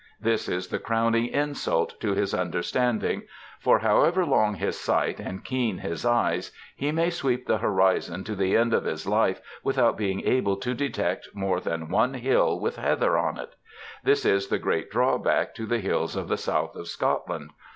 ^ This is the crowning insult to his understanding ; for, however long his sight and keen his eyes, he may sweep the horizon to the end of his life without being able to detect more than one hill with heather on it* This is the great drawback to the hills of the south of Scotland.